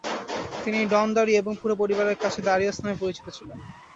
তিনি ‘Don Dario’ এবং পুরো পরিবারের কাছে দারিওস নামে পরিচিত ছিলেন।